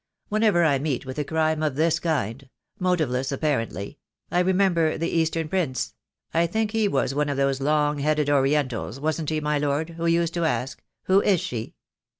"Whenever I meet with a crime of this kind — motiveless apparently — I remember the Eastern Prince — I think he was one of those long headed Orientals, wasn't he, my Lord, who used to ask 'Who is she?'